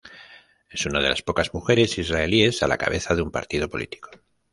Es una de las pocas mujeres israelíes a la cabeza de un partido político.